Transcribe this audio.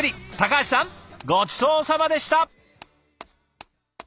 橋さんごちそうさまでした！